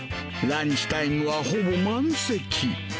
ランチタイムはほぼ満席。